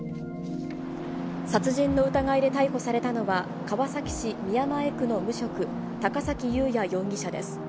殺人の疑いで逮捕されたのは、川崎市宮前区の無職、高崎勇也容疑者です。